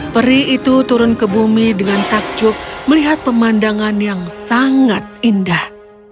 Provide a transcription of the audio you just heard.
peri itu turun ke bumi dengan takjub melihat pemandangan yang sangat indah